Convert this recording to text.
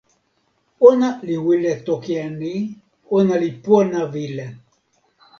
ona li wile toki e ni: ona li pona wile.